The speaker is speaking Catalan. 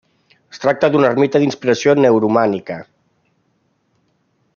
Es tracta d'una ermita d'inspiració neoromànica.